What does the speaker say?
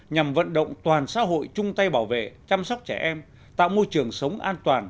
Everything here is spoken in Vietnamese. nhằm vận động toàn xã hội chung tay bảo vệ chăm sóc trẻ em tạo môi trường sống an toàn